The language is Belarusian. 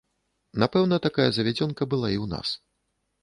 Напэўна, такая завядзёнка была і ў нас.